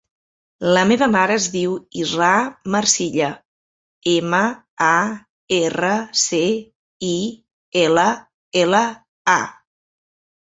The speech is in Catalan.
La meva mare es diu Israa Marcilla: ema, a, erra, ce, i, ela, ela, a.